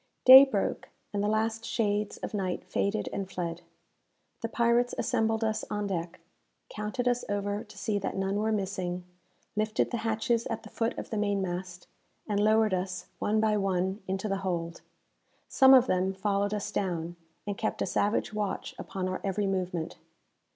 Day broke, and the last shades of night faded and fled. The pirates assembled us on deck, counted us over to see that none were missing, lifted the hatches at the foot of the mainmast, and lowered us, one by one, into the hold. Some of them followed us down, and kept a savage watch upon our every movement.